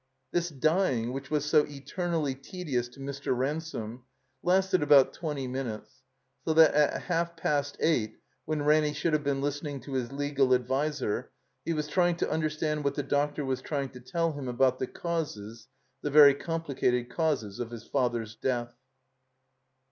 This dying, which was so eternally tedious to Mr. Ransome, lasted about twenty minutes, so that at half past eight, when Raimy should have been lis tening to his legal adviser, he was trying to under stand what the doctor was trying to tell him about the causes, the very complicated causes of his father's death.